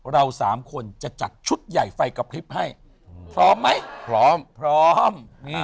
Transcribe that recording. เราสามคนจะจัดชุดใหญ่ไฟกระพริบให้พร้อมไหมพร้อมพร้อม